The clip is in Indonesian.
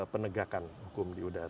penegakan hukum di udara